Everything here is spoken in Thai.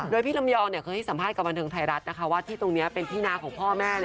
โดยพี่ลำยองเคยให้สัมภาษณ์กับบันเทิงไทยรัฐนะคะว่าที่ตรงนี้เป็นที่นาของพ่อแม่